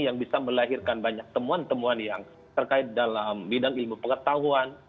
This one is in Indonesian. yang bisa melahirkan banyak temuan temuan yang terkait dalam bidang ilmu pengetahuan